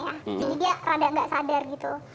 jadi dia rada nggak sadar gitu